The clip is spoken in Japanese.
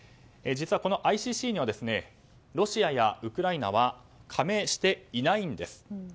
実は、このＩＣＣにはロシアやウクライナは加盟していないんです。